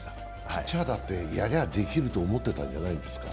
ピッチャーだってやりゃできると思ってたんじゃないですか。